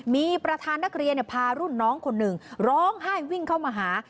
มีประธานนักเรียนพารุ่นน้องคนหนึ่งร้องไห้วิ่งเข้ามาหา